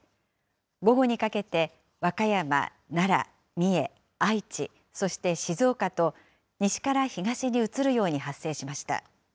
午後にかけて和歌山、奈良、三重、愛知、そして静岡と、西から東に移るように発生しました。